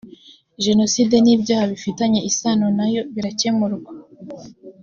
jenoside n ibyaha bifitanye isano na yo birakemurwa